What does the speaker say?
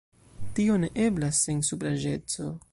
Tio ne eblas sen supraĵeco.